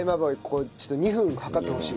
これちょっと２分計ってほしい。